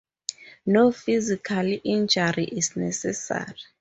No physical injury is necessary.